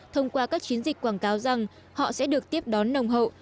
thông qua các chiến dịch quảng cáo rằng họ sẽ được tiếp đón nồng hậu